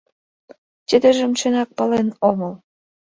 Тидыжым чынак пален омыл.